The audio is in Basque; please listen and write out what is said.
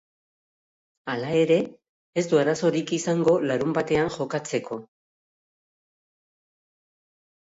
Hala ere, ez du arazorik izango larunbatean jokatzeko.